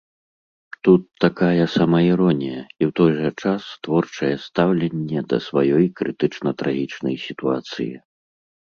Тут такая самаіронія, і ў той жа час творчае стаўленне да сваёй крытычна-трагічнай сітуацыі.